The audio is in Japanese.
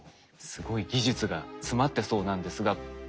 すごい技術が詰まってそうなんですが。